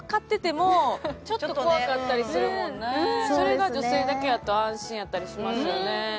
それが女性だけだと安心やったりしますよね。